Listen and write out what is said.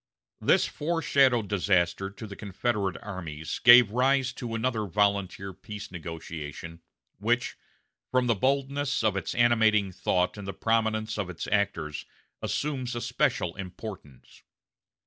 This foreshadowed disaster to the Confederate armies gave rise to another volunteer peace negotiation, which, from the boldness of its animating thought and the prominence of its actors, assumes a special importance.